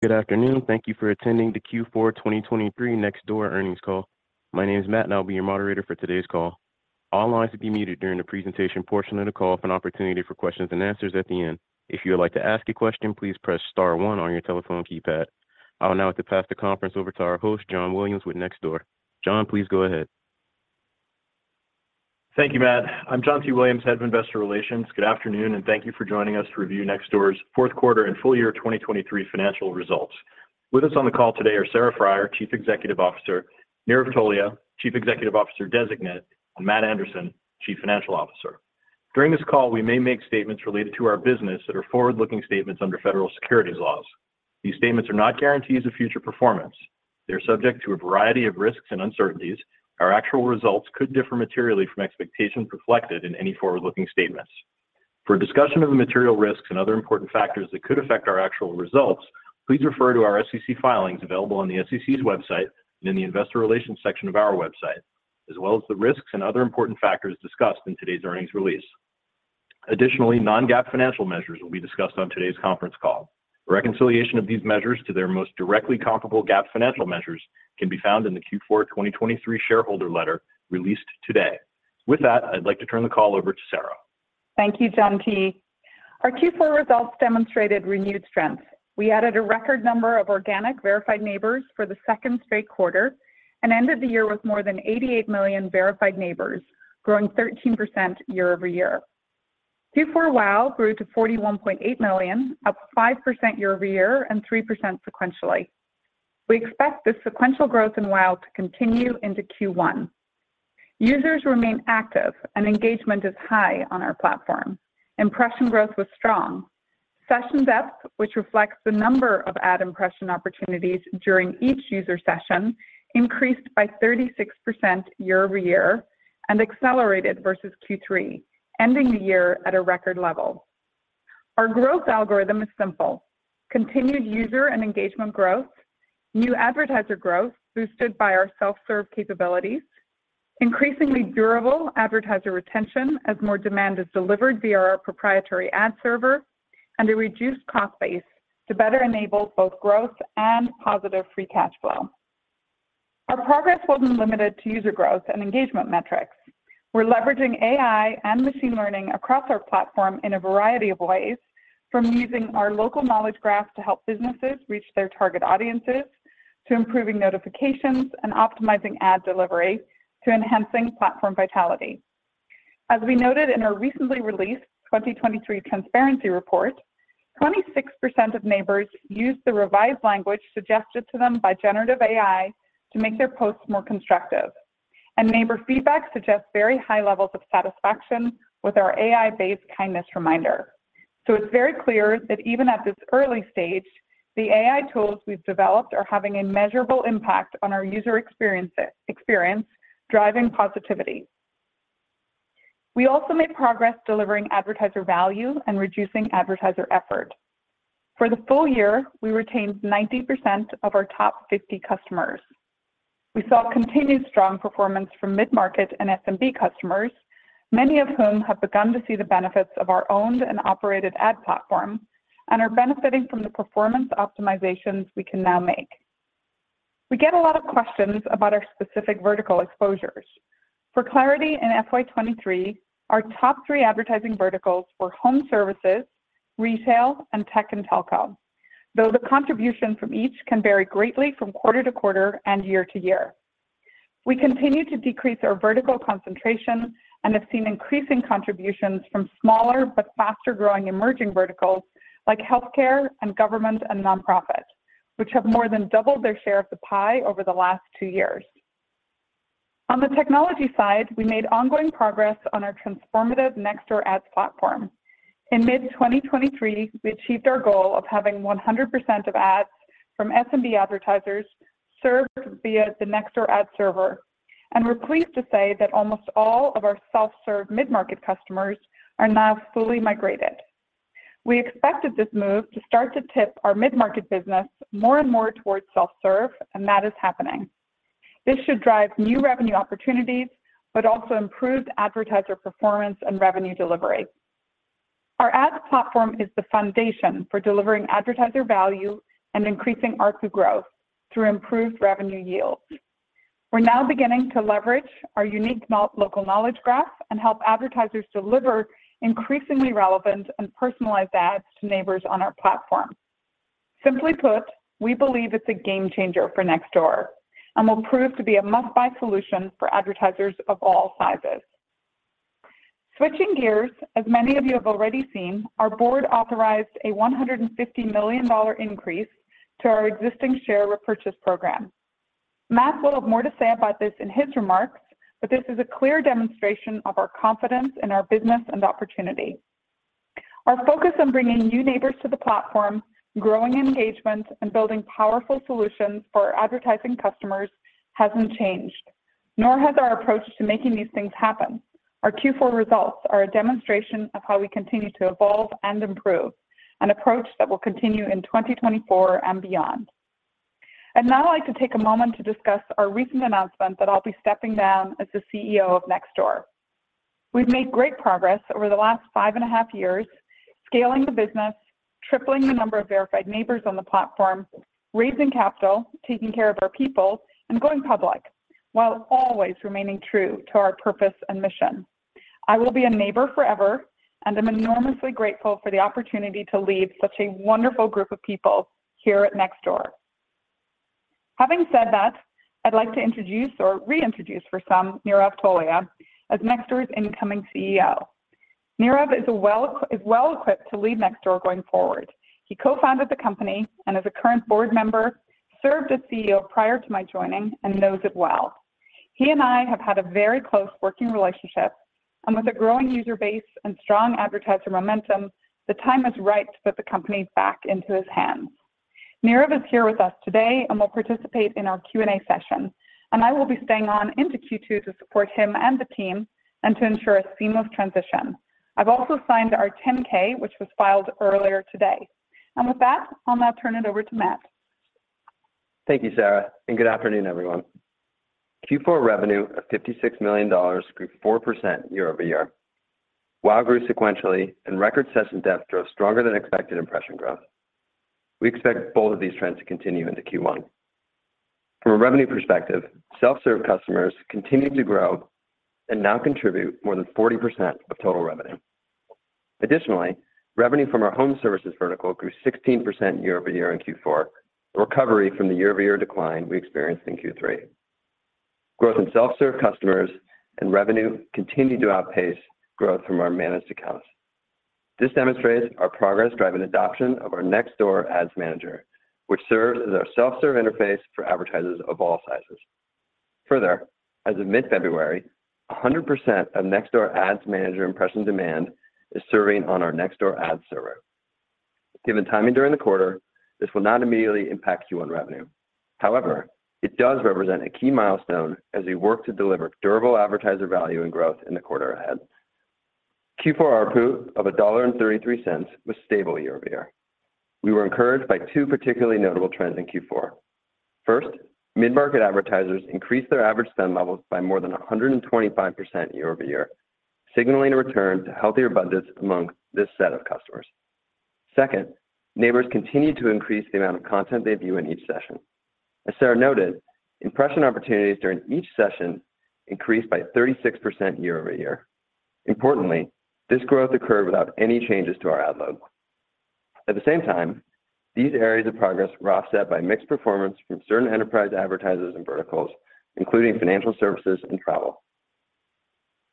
Good afternoon. Thank you for attending the Q4 2023 Nextdoor earnings call. My name is Matt, and I'll be your moderator for today's call. All lines will be muted during the presentation portion of the call for an opportunity for questions and answers at the end. If you would like to ask a question, please press star one on your telephone keypad. I will now have to pass the conference over to our host, John Williams, with Nextdoor. John, please go ahead. Thank you, Matt. I'm John T. Williams, Head of Investor Relations. Good afternoon, and thank you for joining us to review Nextdoor's fourth quarter and full year 2023 financial results. With us on the call today are Sarah Friar, Chief Executive Officer, Nirav Tolia, Chief Executive Officer Designate, and Matt Anderson, Chief Financial Officer. During this call, we may make statements related to our business that are forward-looking statements under federal securities laws. These statements are not guarantees of future performance. They are subject to a variety of risks and uncertainties. Our actual results could differ materially from expectations reflected in any forward-looking statements. For a discussion of the material risks and other important factors that could affect our actual results, please refer to our SEC filings available on the SEC's website and in the Investor Relations section of our website, as well as the risks and other important factors discussed in today's earnings release. Additionally, non-GAAP financial measures will be discussed on today's conference call. A reconciliation of these measures to their most directly comparable GAAP financial measures can be found in the Q4 2023 shareholder letter released today. With that, I'd like to turn the call over to Sarah. Thank you, John T. Our Q4 results demonstrated renewed strength. We added a record number of organic Verified Neighbors for the second straight quarter and ended the year with more than 88 million Verified Neighbors, growing 13% year-over-year. Q4 WAU grew to 41.8 million, up 5% year-over-year and 3% sequentially. We expect this sequential growth in WAU to continue into Q1. Users remain active, and engagement is high on our platform. Impression growth was strong. Session Depth, which reflects the number of ad impression opportunities during each user session, increased by 36% year-over-year and accelerated versus Q3, ending the year at a record level. Our growth algorithm is simple: continued user and engagement growth, new advertiser growth boosted by our self-serve capabilities, increasingly durable advertiser retention as more demand is delivered via our proprietary ad server, and a reduced cost base to better enable both growth and positive free cash flow. Our progress wasn't limited to user growth and engagement metrics. We're leveraging AI and machine learning across our platform in a variety of ways, from using our Local Knowledge Graph to help businesses reach their target audiences, to improving notifications and optimizing ad delivery, to enhancing platform vitality. As we noted in our recently released 2023 transparency report, 26% of neighbors used the revised language suggested to them by generative AI to make their posts more constructive, and neighbor feedback suggests very high levels of satisfaction with our AI-based kindness reminder. It's very clear that even at this early stage, the AI tools we've developed are having a measurable impact on our user experience, driving positivity. We also made progress delivering advertiser value and reducing advertiser effort. For the full year, we retained 90% of our top 50 customers. We saw continued strong performance from mid-market and SMB customers, many of whom have begun to see the benefits of our owned and operated ad platform and are benefiting from the performance optimizations we can now make. We get a lot of questions about our specific vertical exposures. For clarity in FY 2023, our top three advertising verticals were home services, retail, and tech and telco, though the contribution from each can vary greatly from quarter to quarter and year to year. We continue to decrease our vertical concentration and have seen increasing contributions from smaller but faster-growing emerging verticals like healthcare and government and nonprofit, which have more than doubled their share of the pie over the last two years. On the technology side, we made ongoing progress on our transformative Nextdoor Ads Platform. In mid-2023, we achieved our goal of having 100% of ads from SMB advertisers served via the Nextdoor Ad Server, and we're pleased to say that almost all of our self-serve mid-market customers are now fully migrated. We expected this move to start to tip our mid-market business more and more towards self-serve, and that is happening. This should drive new revenue opportunities but also improved advertiser performance and revenue delivery. Our ads platform is the foundation for delivering advertiser value and increasing ARPU growth through improved revenue yields. We're now beginning to leverage our unique Local Knowledge Graph and help advertisers deliver increasingly relevant and personalized ads to neighbors on our platform. Simply put, we believe it's a game changer for Nextdoor and will prove to be a must-buy solution for advertisers of all sizes. Switching gears, as many of you have already seen, our board authorized a $150 million increase to our existing share repurchase program. Matt will have more to say about this in his remarks, but this is a clear demonstration of our confidence in our business and opportunity. Our focus on bringing new neighbors to the platform, growing engagement, and building powerful solutions for our advertising customers hasn't changed, nor has our approach to making these things happen. Our Q4 results are a demonstration of how we continue to evolve and improve, an approach that will continue in 2024 and beyond. Now I'd like to take a moment to discuss our recent announcement that I'll be stepping down as the CEO of Nextdoor. We've made great progress over the last 5.5 years, scaling the business, tripling the number of verified neighbors on the platform, raising capital, taking care of our people, and going public while always remaining true to our purpose and mission. I will be a neighbor forever and am enormously grateful for the opportunity to lead such a wonderful group of people here at Nextdoor. Having said that, I'd like to introduce or reintroduce for some Nirav Tolia as Nextdoor's incoming CEO. Nirav is well equipped to lead Nextdoor going forward. He co-founded the company and, as a current board member, served as CEO prior to my joining and knows it well. He and I have had a very close working relationship, and with a growing user base and strong advertiser momentum, the time is right to put the company back into his hands. Nirav is here with us today and will participate in our Q&A session, and I will be staying on into Q2 to support him and the team and to ensure a seamless transition. I've also signed our 10-K, which was filed earlier today. With that, I'll now turn it over to Matt. Thank you, Sarah, and good afternoon, everyone. Q4 revenue of $56 million grew 4% year-over-year. WAU grew sequentially, and record session depth drove stronger-than-expected impression growth. We expect both of these trends to continue into Q1. From a revenue perspective, self-serve customers continue to grow and now contribute more than 40% of total revenue. Additionally, revenue from our home services vertical grew 16% year-over-year in Q4, a recovery from the year-over-year decline we experienced in Q3. Growth in self-serve customers and revenue continue to outpace growth from our managed accounts. This demonstrates our progress driving adoption of our Nextdoor Ad Manager, which serves as our self-serve interface for advertisers of all sizes. Further, as of mid-February, 100% of Nextdoor Ad Manager impression demand is serving on our Nextdoor Ad Server. Given timing during the quarter, this will not immediately impact Q1 revenue. However, it does represent a key milestone as we work to deliver durable advertiser value and growth in the quarter ahead. Q4 ARPU of $1.33 was stable year-over-year. We were encouraged by two particularly notable trends in Q4. First, mid-market advertisers increased their average spend levels by more than 125% year-over-year, signaling a return to healthier budgets among this set of customers. Second, neighbors continued to increase the amount of content they view in each session. As Sarah noted, impression opportunities during each session increased by 36% year-over-year. Importantly, this growth occurred without any changes to our ad load. At the same time, these areas of progress were offset by mixed performance from certain enterprise advertisers and verticals, including financial services and travel.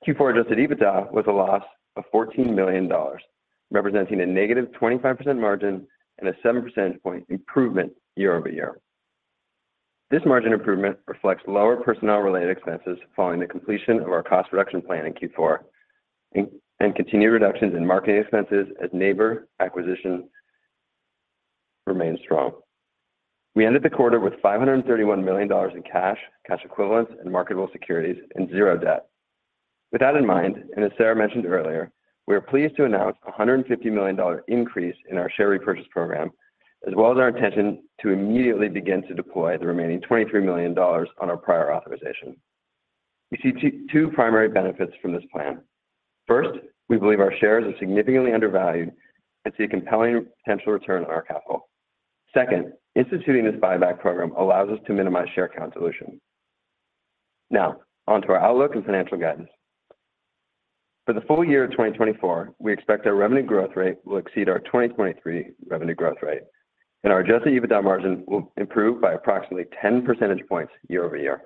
Q4 Adjusted EBITDA was a loss of $14 million, representing a negative 25% margin and a 7 percentage point improvement year-over-year. This margin improvement reflects lower personnel-related expenses following the completion of our cost reduction plan in Q4 and continued reductions in marketing expenses as neighbor acquisition remains strong. We ended the quarter with $531 million in cash, cash equivalents, and marketable securities and zero debt. With that in mind, and as Sarah mentioned earlier, we are pleased to announce a $150 million increase in our share repurchase program, as well as our intention to immediately begin to deploy the remaining $23 million on our prior authorization. We see two primary benefits from this plan. First, we believe our shares are significantly undervalued and see a compelling potential return on our capital. Second, instituting this buyback program allows us to minimize share count dilution. Now, onto our outlook and financial guidance. For the full year of 2024, we expect our revenue growth rate will exceed our 2023 revenue growth rate, and our Adjusted EBITDA margin will improve by approximately 10 percentage points year-over-year.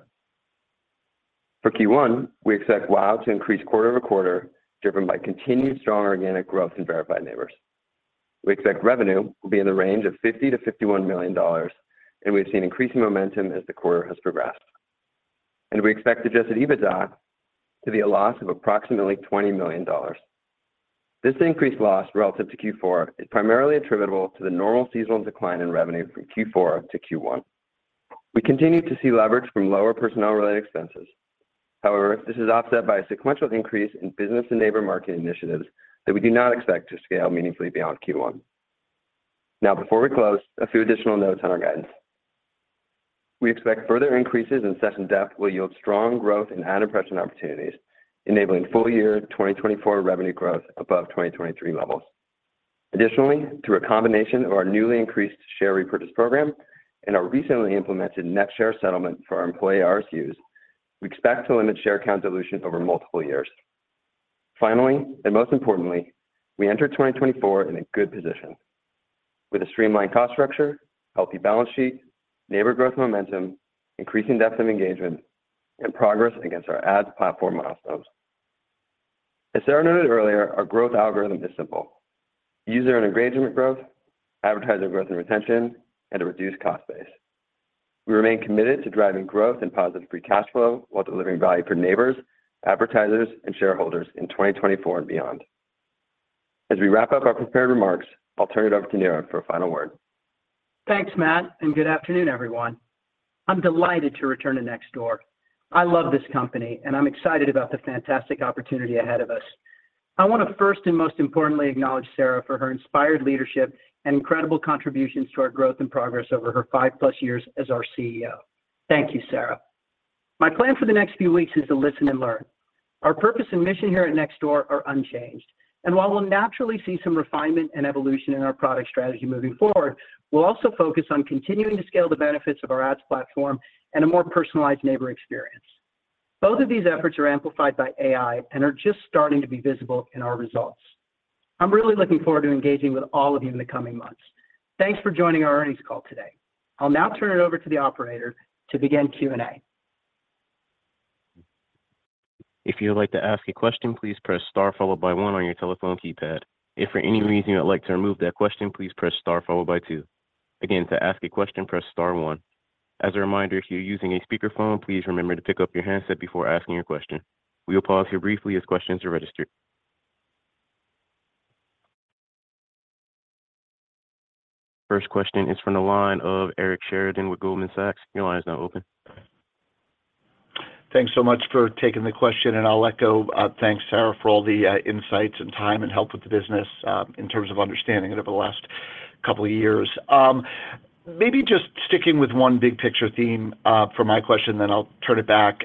For Q1, we expect WAU to increase quarter-over-quarter driven by continued strong organic growth in Verified Neighbors. We expect revenue will be in the range of $50-$51 million, and we have seen increasing momentum as the quarter has progressed. And we expect Adjusted EBITDA to be a loss of approximately $20 million. This increased loss relative to Q4 is primarily attributable to the normal seasonal decline in revenue from Q4-Q1. We continue to see leverage from lower personnel-related expenses. However, this is offset by a sequential increase in business and neighbor marketing initiatives that we do not expect to scale meaningfully beyond Q1. Now, before we close, a few additional notes on our guidance. We expect further increases in session depth will yield strong growth in ad impression opportunities, enabling full-year 2024 revenue growth above 2023 levels. Additionally, through a combination of our newly increased share repurchase program and our recently implemented net-share settlement for our employee RSUs, we expect to limit share count dilution over multiple years. Finally, and most importantly, we entered 2024 in a good position with a streamlined cost structure, healthy balance sheet, neighbor growth momentum, increasing depth of engagement, and progress against our ads platform milestones. As Sarah noted earlier, our growth algorithm is simple: user and engagement growth, advertiser growth and retention, and a reduced cost base. We remain committed to driving growth and positive free cash flow while delivering value for neighbors, advertisers, and shareholders in 2024 and beyond. As we wrap up our prepared remarks, I'll turn it over to Nirav for a final word. Thanks, Matt, and good afternoon, everyone. I'm delighted to return to Nextdoor. I love this company, and I'm excited about the fantastic opportunity ahead of us. I want to first and most importantly acknowledge Sarah for her inspired leadership and incredible contributions to our growth and progress over her 5+ years as our CEO. Thank you, Sarah. My plan for the next few weeks is to listen and learn. Our purpose and mission here at Nextdoor are unchanged, and while we'll naturally see some refinement and evolution in our product strategy moving forward, we'll also focus on continuing to scale the benefits of our ads platform and a more personalized neighbor experience. Both of these efforts are amplified by AI and are just starting to be visible in our results. I'm really looking forward to engaging with all of you in the coming months. Thanks for joining our earnings call today. I'll now turn it over to the operator to begin Q&A. If you would like to ask a question, please press star followed by one on your telephone keypad. If for any reason you would like to remove that question, please press star followed by two. Again, to ask a question, press star one. As a reminder, if you're using a speakerphone, please remember to pick up your handset before asking your question. We will pause here briefly as questions are registered. First question is from the line of Eric Sheridan with Goldman Sachs. Your line is now open. Thanks so much for taking the question, and I'll echo thanks, Sarah, for all the insights and time and help with the business in terms of understanding it over the last couple of years. Maybe just sticking with one big picture theme for my question, then I'll turn it back.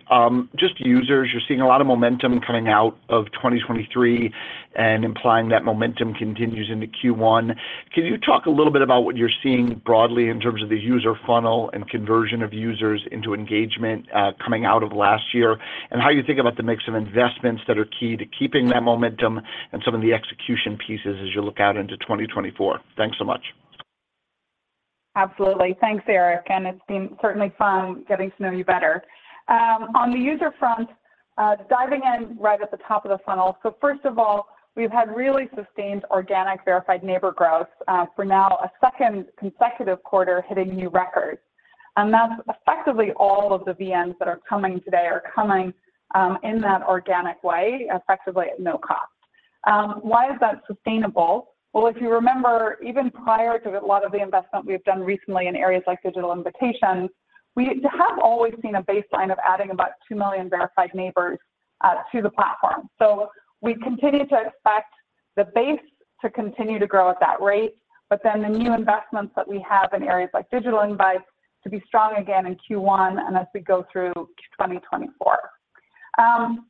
Just users, you're seeing a lot of momentum coming out of 2023 and implying that momentum continues into Q1. Can you talk a little bit about what you're seeing broadly in terms of the user funnel and conversion of users into engagement coming out of last year and how you think about the mix of investments that are key to keeping that momentum and some of the execution pieces as you look out into 2024? Thanks so much. Absolutely. Thanks, Eric, and it's been certainly fun getting to know you better. On the user front, diving in right at the top of the funnel, so first of all, we've had really sustained organic verified neighbor growth for now a second consecutive quarter hitting new records. And that's effectively all of the VNs that are coming today are coming in that organic way, effectively at no cost. Why is that sustainable? Well, if you remember, even prior to a lot of the investment we've done recently in areas like digital invitations, we have always seen a baseline of adding about 2 million verified neighbors to the platform. So we continue to expect the base to continue to grow at that rate, but then the new investments that we have in areas like digital invites to be strong again in Q1 and as we go through 2024.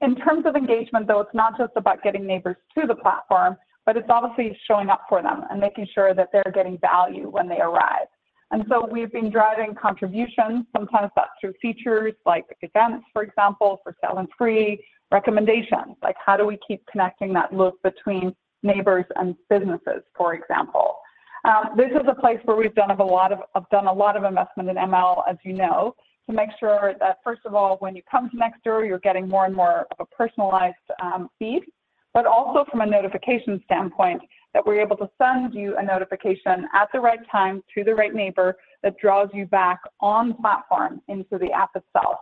In terms of engagement, though, it's not just about getting neighbors to the platform, but it's obviously showing up for them and making sure that they're getting value when they arrive. And so we've been driving contributions. Sometimes that's through features like events, for example, For Sale & Free, recommendations like how do we keep connecting that loop between neighbors and businesses, for example. This is a place where we've done a lot of investment in ML, as you know, to make sure that, first of all, when you come to Nextdoor, you're getting more and more of a personalized feed, but also from a notification standpoint that we're able to send you a notification at the right time to the right neighbor that draws you back on the platform into the app itself.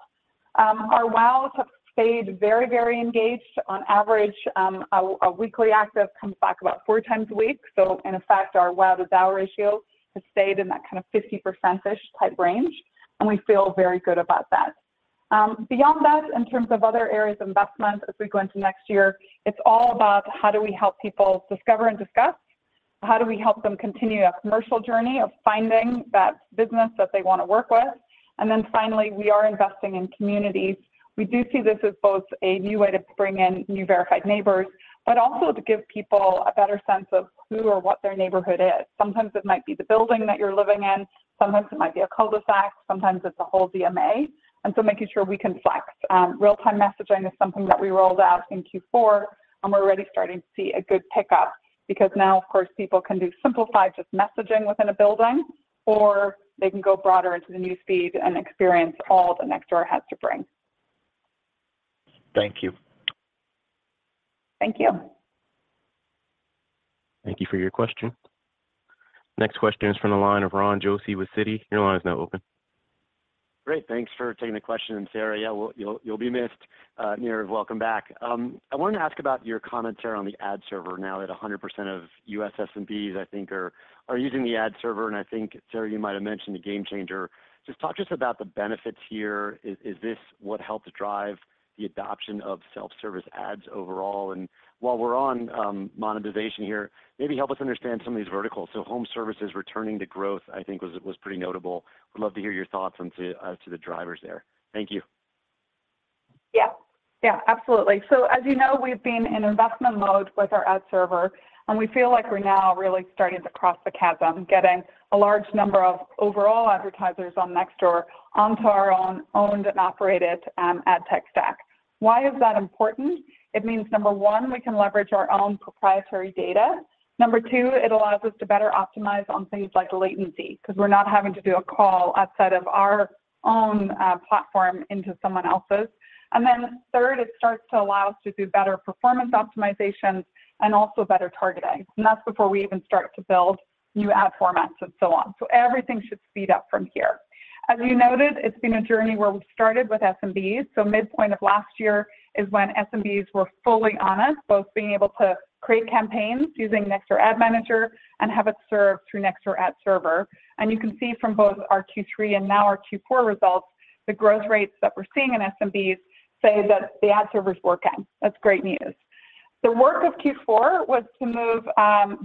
Our WAUs have stayed very, very engaged. On average, a weekly active comes back about four times a week. So in effect, our WAU to DAU ratio has stayed in that kind of 50%-ish type range, and we feel very good about that. Beyond that, in terms of other areas of investment as we go into next year, it's all about how do we help people discover and discuss? How do we help them continue a commercial journey of finding that business that they want to work with? And then finally, we are investing in communities. We do see this as both a new way to bring in new verified neighbors, but also to give people a better sense of who or what their neighborhood is. Sometimes it might be the building that you're living in. Sometimes it might be a cul-de-sac. Sometimes it's a whole DMA. And so making sure we can flex. Real-time messaging is something that we rolled out in Q4, and we're already starting to see a good pickup because now, of course, people can do simplified just messaging within a building, or they can go broader into the new speed and experience all that Nextdoor has to bring. Thank you. Thank you. Thank you for your question. Next question is from the line of Ron Josey with Citi. Your line is now open. Great. Thanks for taking the question, Sarah. Yeah, you'll be missed. Nirav, welcome back. I wanted to ask about your commentary on the ad server now that 100% of US SMBs, I think, are using the ad server. And I think, Sarah, you might have mentioned the game changer. Just talk to us about the benefits here. Is this what helped drive the adoption of self-service ads overall? And while we're on monetization here, maybe help us understand some of these verticals. So home services returning to growth, I think, was pretty notable. Would love to hear your thoughts on to the drivers there. Thank you. Yeah. Yeah, absolutely. So as you know, we've been in investment mode with our ad server, and we feel like we're now really starting to cross the chasm, getting a large number of overall advertisers on Nextdoor onto our own owned and operated ad tech stack. Why is that important? It means, number one, we can leverage our own proprietary data. Number two, it allows us to better optimize on things like latency because we're not having to do a call outside of our own platform into someone else's. And then third, it starts to allow us to do better performance optimizations and also better targeting. And that's before we even start to build new ad formats and so on. So everything should speed up from here. As you noted, it's been a journey where we've started with SMBs. So midpoint of last year is when SMBs were fully on us, both being able to create campaigns using Nextdoor Ad Manager and have it served through Nextdoor Ad Server. And you can see from both our Q3 and now our Q4 results, the growth rates that we're seeing in SMBs say that the ad server is working. That's great news. The work of Q4 was to move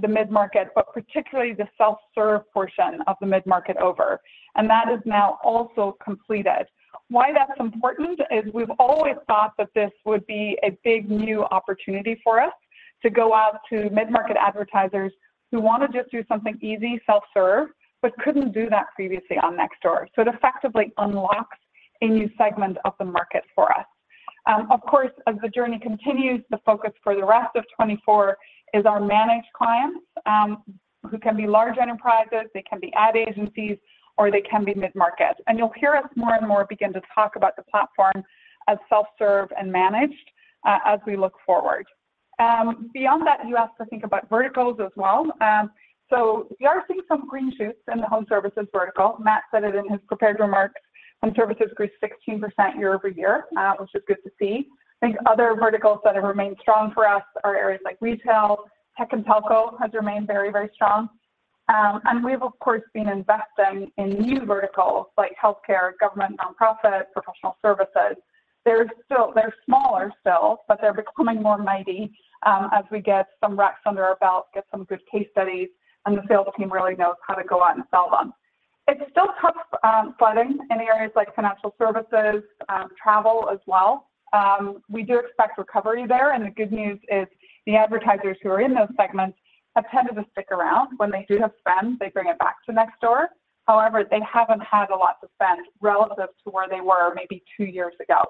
the mid-market, but particularly the self-serve portion of the mid-market over. And that is now also completed. Why that's important is we've always thought that this would be a big new opportunity for us to go out to mid-market advertisers who want to just do something easy, self-serve, but couldn't do that previously on Nextdoor. So it effectively unlocks a new segment of the market for us. Of course, as the journey continues, the focus for the rest of 2024 is our managed clients who can be large enterprises, they can be ad agencies, or they can be mid-market. And you'll hear us more and more begin to talk about the platform as self-serve and managed as we look forward. Beyond that, you asked to think about verticals as well. So we are seeing some green shoots in the home services vertical. Matt said it in his prepared remarks. Home services grew 16% year-over-year, which is good to see. I think other verticals that have remained strong for us are areas like retail. Tech and telco has remained very, very strong. And we've, of course, been investing in new verticals like healthcare, government nonprofit, professional services. They're smaller still, but they're becoming more mighty as we get some reps under our belt, get some good case studies, and the sales team really knows how to go out and sell them. It's still tough selling in areas like financial services, travel as well. We do expect recovery there. And the good news is the advertisers who are in those segments have tended to stick around. When they do have spend, they bring it back to Nextdoor. However, they haven't had a lot to spend relative to where they were maybe two years ago.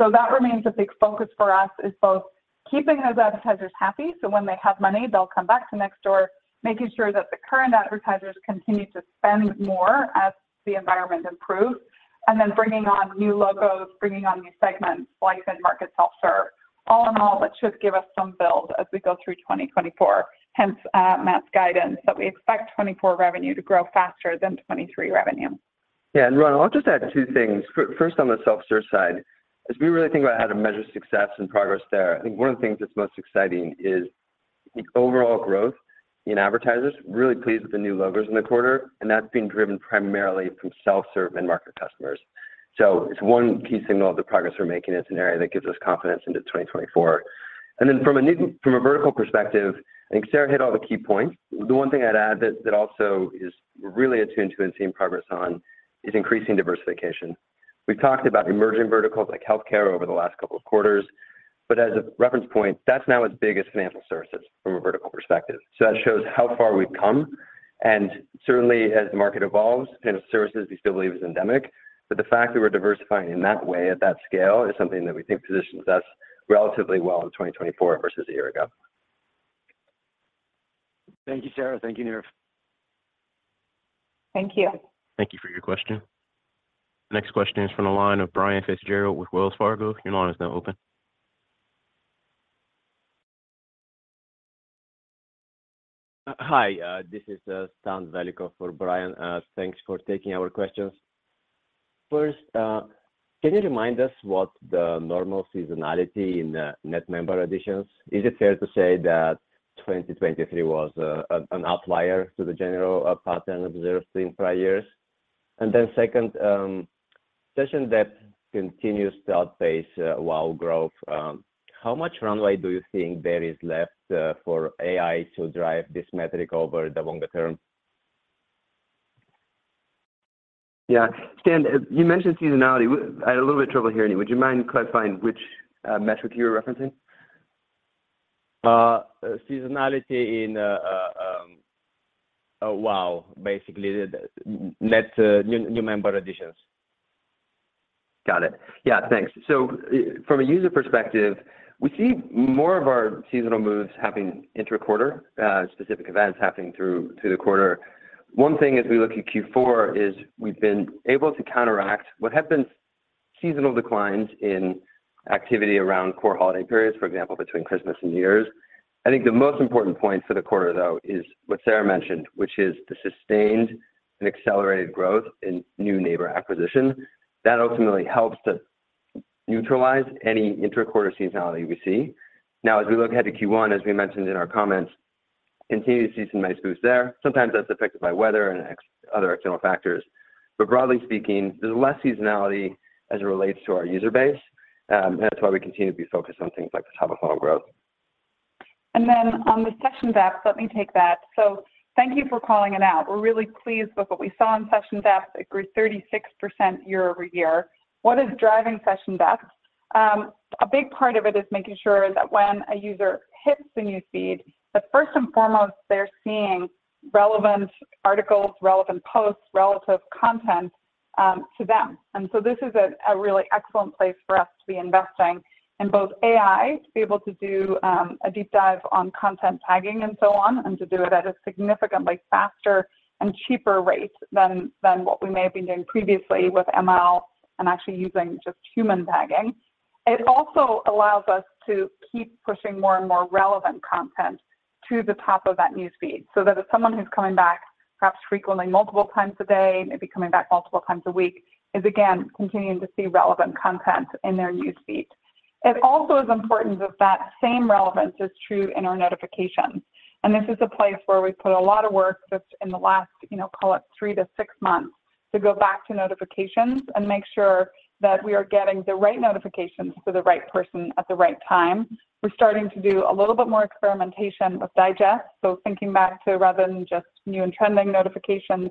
So that remains a big focus for us is both keeping those advertisers happy so when they have money, they'll come back to Nextdoor, making sure that the current advertisers continue to spend more as the environment improves, and then bringing on new logos, bringing on new segments like mid-market self-serve. All in all, that should give us some build as we go through 2024. Hence Matt's guidance that we expect 2024 revenue to grow faster than 2023 revenue. Yeah. And Ron, I'll just add two things. First, on the self-serve side, as we really think about how to measure success and progress there, I think one of the things that's most exciting is the overall growth in advertisers, really pleased with the new logos in the quarter, and that's been driven primarily from self-serve mid-market customers. So it's one key signal of the progress we're making. It's an area that gives us confidence into 2024. And then from a vertical perspective, I think Sarah hit all the key points. The one thing I'd add that also is really attuned to and seeing progress on is increasing diversification. We've talked about emerging verticals like healthcare over the last couple of quarters, but as a reference point, that's now as big as financial services from a vertical perspective. So that shows how far we've come. Certainly, as the market evolves, financial services, we still believe, is endemic. But the fact that we're diversifying in that way at that scale is something that we think positions us relatively well in 2024 versus a year ago. Thank you, Sarah. Thank you, Nirav. Thank you. Thank you for your question. Next question is from the line of Brian Fitzgerald with Wells Fargo. Your line is now open. Hi. This is Stan Zlotsky for Brian. Thanks for taking our questions. First, can you remind us what the normal seasonality in net member additions? Is it fair to say that 2023 was an outlier to the general pattern observed in prior years? And then second, session depth continues to outpace WAU growth. How much runway do you think there is left for AI to drive this metric over the longer term? Yeah. Stan, you mentioned seasonality. I had a little bit of trouble hearing you. Would you mind clarifying which metric you were referencing? Seasonality in WAU, basically. New member additions. Got it. Yeah. Thanks. So from a user perspective, we see more of our seasonal moves happening inter-quarter, specific events happening through the quarter. One thing as we look at Q4 is we've been able to counteract what have been seasonal declines in activity around core holiday periods, for example, between Christmas and New Year's. I think the most important point for the quarter, though, is what Sarah mentioned, which is the sustained and accelerated growth in new neighbor acquisition. That ultimately helps to neutralize any inter-quarter seasonality we see. Now, as we look ahead to Q1, as we mentioned in our comments, continue to see some nice boosts there. Sometimes that's affected by weather and other external factors. But broadly speaking, there's less seasonality as it relates to our user base, and that's why we continue to be focused on things like the top of funnel growth. Then, on the Session Depth, let me take that. So thank you for calling it out. We're really pleased with what we saw in Session Depth. It grew 36% year-over-year. What is driving Session Depth? A big part of it is making sure that when a user hits the new feed, that first and foremost, they're seeing relevant articles, relevant posts, relevant content to them. And so this is a really excellent place for us to be investing in both AI, to be able to do a deep dive on content tagging and so on, and to do it at a significantly faster and cheaper rate than what we may have been doing previously with ML and actually using just human tagging. It also allows us to keep pushing more and more relevant content to the top of that newsfeed so that if someone who's coming back perhaps frequently multiple times a day, maybe coming back multiple times a week, is again continuing to see relevant content in their newsfeed. It also is important that that same relevance is true in our notifications. This is a place where we've put a lot of work just in the last, call it, 3-6 months to go back to notifications and make sure that we are getting the right notifications to the right person at the right time. We're starting to do a little bit more experimentation with digest. So thinking back to rather than just new and trending notifications,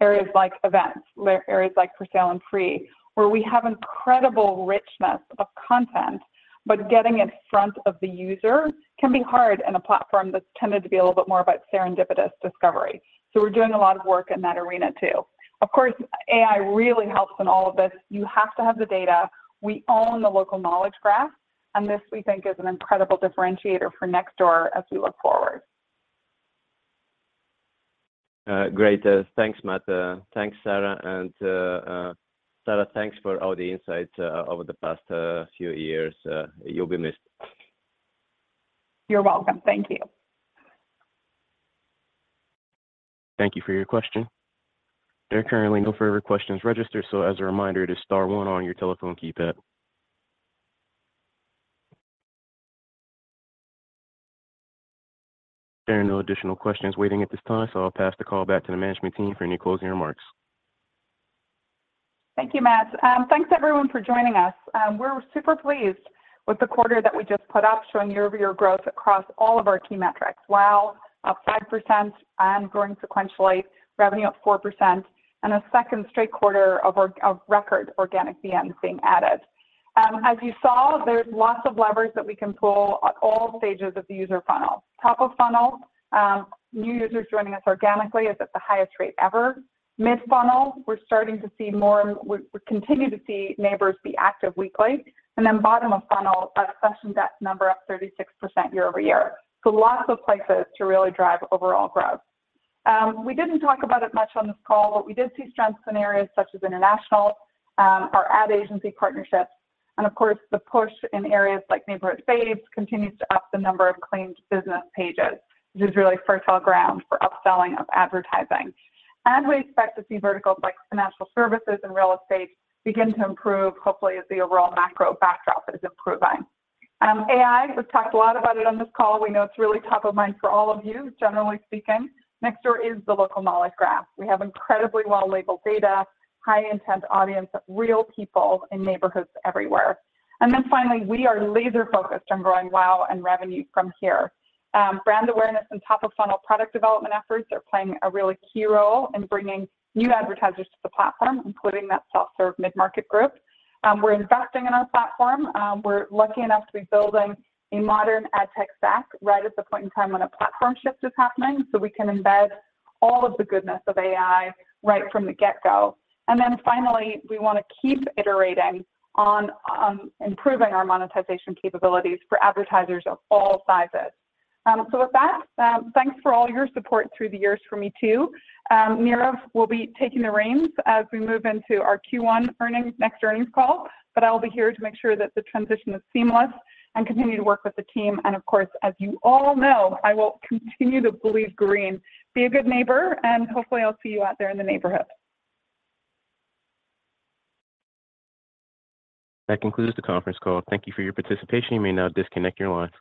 areas like events, areas like for sale and free, where we have incredible richness of content, but getting it in front of the user can be hard in a platform that's tended to be a little bit more about serendipitous discovery. So we're doing a lot of work in that arena too. Of course, AI really helps in all of this. You have to have the data. We own the Local Knowledge Graph, and this we think is an incredible differentiator for Nextdoor as we look forward. Great. Thanks, Matt. Thanks, Sarah. And Sarah, thanks for all the insights over the past few years. You'll be missed. You're welcome. Thank you. Thank you for your question. There are currently no further questions registered. As a reminder, it is star one on your telephone keypad. There are no additional questions waiting at this time, so I'll pass the call back to the management team for any closing remarks. Thank you, Matt. Thanks, everyone, for joining us. We're super pleased with the quarter that we just put up showing year-over-year growth across all of our key metrics: WAU up 5%, ongoing sequentially, revenue up 4%, and a second straight quarter of record organic VNs being added. As you saw, there's lots of levers that we can pull at all stages of the user funnel. Top of funnel, new users joining us organically is at the highest rate ever. Mid-funnel, we're starting to see more and we continue to see neighbors be active weekly. And then bottom of funnel, a session depth number up 36% year-over-year. So lots of places to really drive overall growth. We didn't talk about it much on this call, but we did see strengths in areas such as international, our ad agency partnerships, and of course, the push in areas like neighborhood feeds continues to up the number of claimed business pages, which is really fertile ground for upselling of advertising. We expect to see verticals like financial services and real estate begin to improve, hopefully, as the overall macro backdrop is improving. AI, we've talked a lot about it on this call. We know it's really top of mind for all of you, generally speaking. Nextdoor is the Local Knowledge Graph. We have incredibly well-labeled data, high-intent audience of real people in neighborhoods everywhere. Then finally, we are laser-focused on growing WAU and revenue from here. Brand awareness and top-of-funnel product development efforts are playing a really key role in bringing new advertisers to the platform, including that self-serve mid-market group. We're investing in our platform. We're lucky enough to be building a modern ad tech stack right at the point in time when a platform shift is happening so we can embed all of the goodness of AI right from the get-go. And then finally, we want to keep iterating on improving our monetization capabilities for advertisers of all sizes. So with that, thanks for all your support through the years for me too. Nirav will be taking the reins as we move into our Q1 earnings next earnings call, but I'll be here to make sure that the transition is seamless and continue to work with the team. And of course, as you all know, I will continue to bleed green. Be a good neighbor, and hopefully, I'll see you out there in the neighborhood. That concludes the conference call. Thank you for your participation. You may now disconnect your lines.